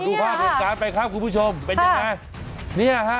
ดูภาพโดยการไปครับคุณผู้ชมเป็นอย่างไร